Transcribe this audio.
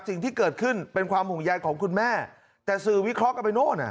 สิ่งที่เกิดขึ้นเป็นความห่วงใยของคุณแม่แต่สื่อวิเคราะห์กันไปโน่นอ่ะ